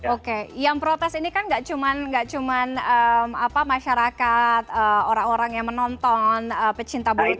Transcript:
oke yang protes ini kan nggak cuma masyarakat orang orang yang menonton pecinta politik